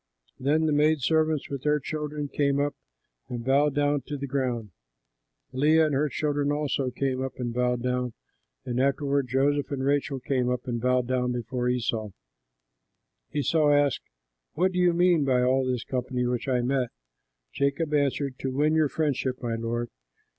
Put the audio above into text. Then the maid servants with their children came up and bowed down to the ground. Leah and her children also came and bowed down, and afterward Joseph and Rachel came up and bowed down before Esau. Esau asked, "What do you mean by all this company which I met?" Jacob answered, "To win your friendship, my lord."